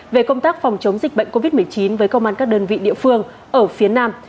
về công tác phòng chống dịch bệnh covid một mươi chín với công an các đơn vị địa phương ở phía nam